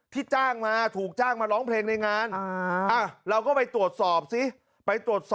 ที่จ้างมาถูกจ้างมาร้องเพลงในงานเราก็ไปตรวจสอบซิ